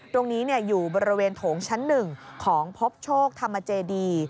ตรงนี้เนี่ยอยู่บริเวณโถงชั้นหนึ่งของพบโชคธรรมเจดี